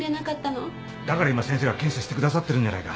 だから今先生が検査してくださってるんじゃないか。